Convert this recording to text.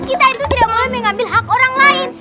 kita itu tidak mau ambil hak orang lain